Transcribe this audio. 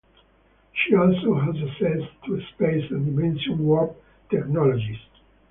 She also has access to space and dimension warp technologies.